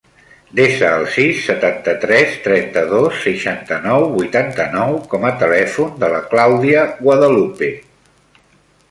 Desa el sis, setanta-tres, trenta-dos, seixanta-nou, vuitanta-nou com a telèfon de la Clàudia Guadalupe.